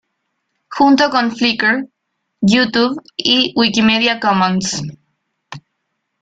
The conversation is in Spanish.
Junto con Flickr, YouTube y Wikimedia Commons.